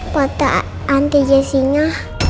pot anti jasinya